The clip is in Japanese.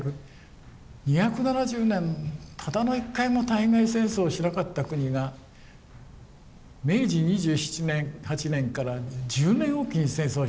２７０年ただの１回も対外戦争をしなかった国が明治２７年２８年から１０年おきに戦争をしたんですよ。